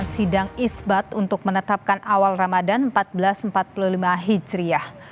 sidang isbat untuk menetapkan awal ramadan seribu empat ratus empat puluh lima hijriah